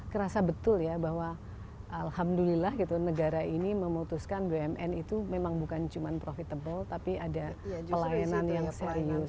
kerasa betul ya bahwa alhamdulillah gitu negara ini memutuskan bumn itu memang bukan cuma profitable tapi ada pelayanan yang serius